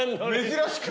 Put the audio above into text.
珍しく。